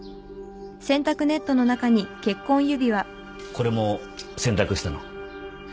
これも洗濯したの？